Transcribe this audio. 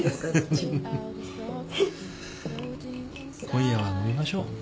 今夜は飲みましょう。